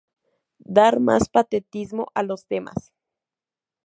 Dar más patetismo a los temas.